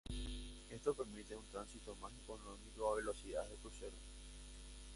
Esto permite un tránsito más económico a velocidades de crucero.